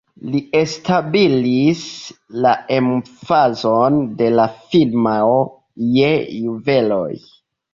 Li establis la emfazon de la firmao je juveloj.